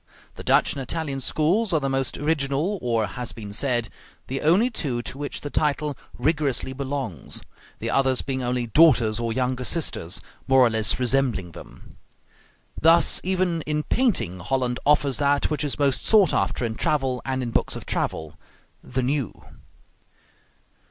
The Dutch and Italian schools are the most original, or, as has been said, the only two to which the title rigorously belongs; the others being only daughters or younger sisters, more or less resembling them. Thus even in painting Holland offers that which is most sought after in travel and in books of travel: the new.